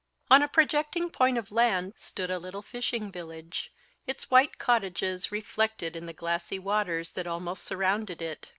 On a projecting point of land stood a little fishing village, its white cottages reflected in the glassy waters that almost surrounded it.